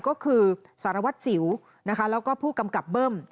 ก็คือสารวัตรสิวนะคะแล้วก็ผู้กำกับเบิ้ม